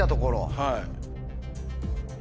はい。